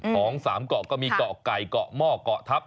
ของ๓เกาะก็มีเกาะไก่เกาะหม้อเกาะทัพ